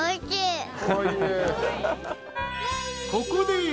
［ここで］